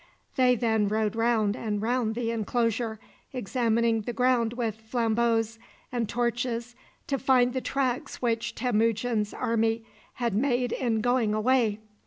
They then rode round and round the inclosure, examining the ground with flambeaux and torches to find the tracks which Temujin's army had made in going away.